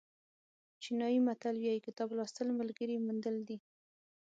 چینایي متل وایي کتاب لوستل ملګري موندل دي.